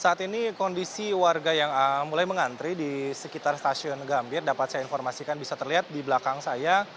saat ini kondisi warga yang mulai mengantri di sekitar stasiun gambir dapat saya informasikan bisa terlihat di belakang saya